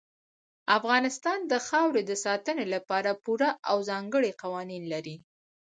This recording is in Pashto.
افغانستان د خاورې د ساتنې لپاره پوره او ځانګړي قوانین لري.